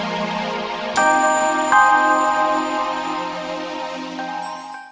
tidak ada bucinan iri